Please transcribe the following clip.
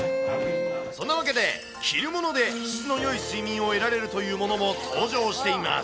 そんなわけで、着るもので質のよい睡眠を得られるというものも登場しています。